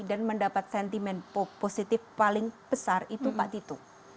dan mendapat sentimen positif paling besar itu pak tito